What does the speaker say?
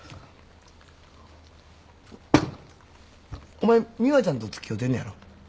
お前美羽ちゃんとつきおうてんねやろ？